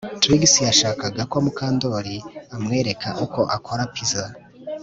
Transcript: Trix yashakaga ko Mukandoli amwereka uko akora pizza